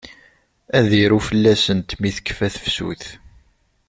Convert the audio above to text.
Ad iru fell-asent mi tekfa tefsut.